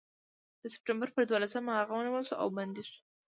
د سپټمبر پر دولسمه هغه ونیول شو او بندي شو.